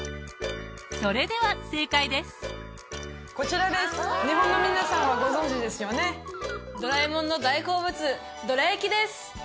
それでは正解ですこちらです日本の皆さんはご存じですよねドラえもんの大好物どら焼きです！